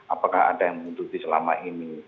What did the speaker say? apakah ada yang mengunduti selama ini